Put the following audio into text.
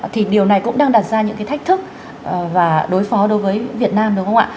thì điều này cũng đang đặt ra những cái thách thức và đối phó đối với việt nam đúng không ạ